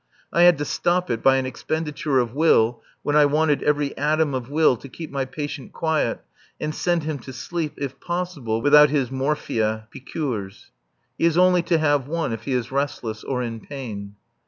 I had to stop it by an expenditure of will when I wanted every atom of will to keep my patient quiet and send him to sleep, if possible, without his morphia piqûres. He is only to have one if he is restless or in pain.